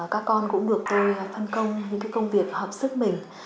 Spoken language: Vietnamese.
các con cũng được tôi phân công những công việc hợp sức mình